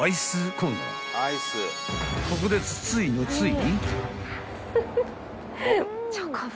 ［ここでつついのついに］